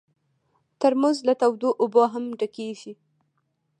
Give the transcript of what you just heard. ترموز له تودو اوبو هم ډکېږي.